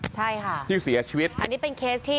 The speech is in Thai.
ใช่ค่ะที่เสียชีวิตอันนี้เป็นเคสที่